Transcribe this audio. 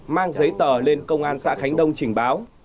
mang giấy tờ lên công an xã khánh đông trình báo